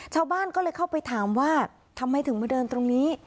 ชาวบ้านก็เลยเข้าไปถามว่าทำไมถึงมาเดินตรงนี้